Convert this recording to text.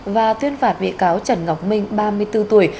và tuyên phạt bị cáo trần ngọc minh ba mươi bốn tuổi